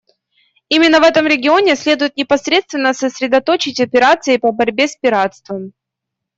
Именно в этом регионе следует непосредственно сосредоточить операции по борьбе с пиратством.